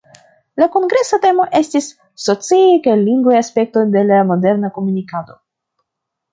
La kongresa temo estis "Sociaj kaj lingvaj aspektoj de la moderna komunikado".